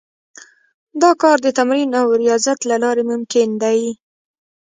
دا کار د تمرین او ریاضت له لارې ممکن دی